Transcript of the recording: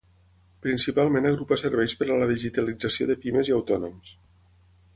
Principalment agrupa serveis per a la digitalització de pimes i autònoms.